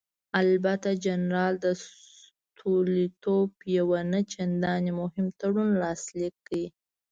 البته جنرال ستولیتوف یو نه چندانې مهم تړون لاسلیک کړ.